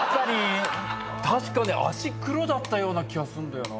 確かね脚黒だったような気がすんだよな。